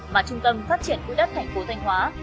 mà trung tâm phát triển quỹ đất thành phố thanh hóa